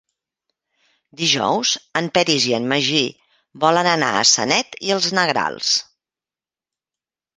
Dijous en Peris i en Magí volen anar a Sanet i els Negrals.